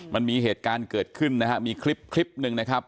มันมีเหตุการณ์เกิดขึ้นนะฮะมีคลิปคลิปหนึ่งนะครับ